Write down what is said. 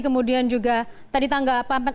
kemudian juga tadi tanggal empat